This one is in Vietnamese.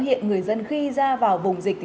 hiện người dân khi ra vào vùng dịch